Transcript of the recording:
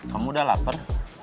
kamu sudah lapar